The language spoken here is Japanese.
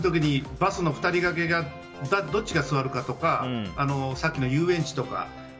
バスの２人がけでどっちが座るかとかさっきの遊園地とか。